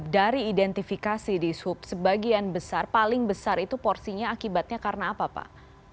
dari identifikasi di sub sebagian besar paling besar itu porsinya akibatnya karena apa pak